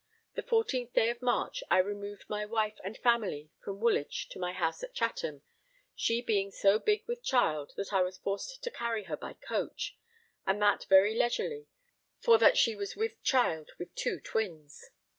The 14th day of March I removed my wife and family from Woolwich to my house at Chatham, she being so big with child that I was forced to carry her by coach, and that very leisurely for that she was with child with two twins.